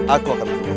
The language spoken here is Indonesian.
aku akan mengucapkan